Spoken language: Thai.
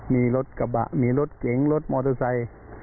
มีรถกระแบะรถมอเตอร์ไซด์